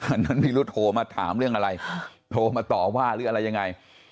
อันนั้นไม่รู้โทรมาถามเรื่องอะไรโทรมาต่อว่าหรืออะไรยังไง